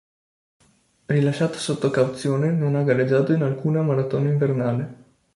Rilasciato sotto cauzione, non ha gareggiato in alcuna maratona invernale.